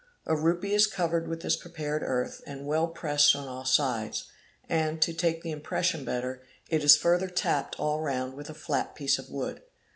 A rupee is covered with this prepared earth ~ and well pressed on all sides, and, to take the impression better, it is further tapped all round with a flat piece of weod.